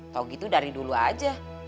tau gitu dari dulu aja